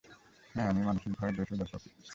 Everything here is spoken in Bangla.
হ্যাঁ, আমি মানসিকভাবে বেশ উদার প্রকৃতির।